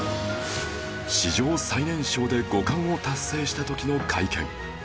史上最年少で五冠を達成した時の会見